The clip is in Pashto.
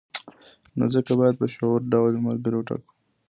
نو ځکه باید په شعوري ډول ملګري وټاکو.